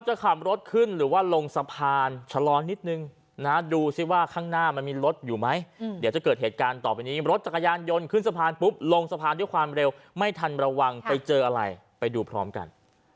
จะขับรถขึ้นหรือว่าลงสะพานชะลอนิดนึงนะดูสิว่าข้างหน้ามันมีรถอยู่ไหมเดี๋ยวจะเกิดเหตุการณ์ต่อไปนี้รถจักรยานยนต์ขึ้นสะพานปุ๊บลงสะพานด้วยความเร็วไม่ทันระวังไปเจออะไรไปดูพร้อมกัน